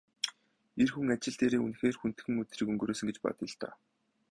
Эр хүн ажил дээрээ үнэхээр хүндхэн өдрийг өнгөрөөсөн гэж бодъё л доо.